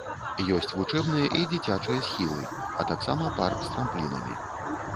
Есць вучэбныя і дзіцячыя схілы, а таксама парк з трамплінамі.